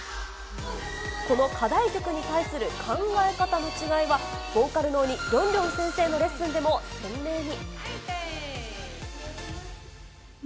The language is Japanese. この課題曲に対する考え方の違いは、ボーカルの鬼、りょんりょん先生のレッスンでも、鮮明に。